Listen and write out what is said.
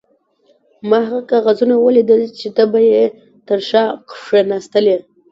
ما هغه کاغذونه ولیدل چې ته به یې تر شا کښېناستلې.